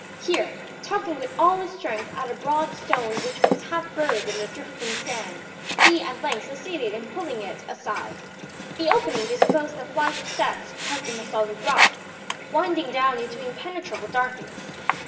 Here, tugging with all his strength at a broad stone which was half buried in the drifting sand, he at length succeeded in pulling it aside. The opening disclosed a flight of steps cut in the solid rock, winding down into impenetrable darkness.